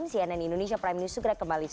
cnn indonesia prime news segera kembali